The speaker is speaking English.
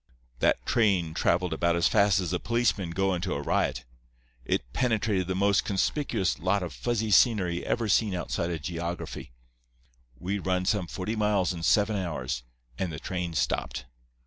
That train travelled about as fast as a policeman goin' to a riot. It penetrated the most conspicuous lot of fuzzy scenery ever seen outside a geography. We run some forty miles in seven hours, and the train stopped.